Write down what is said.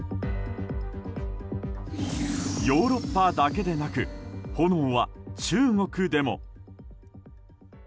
ヨーロッパだけでなく炎は中国でも。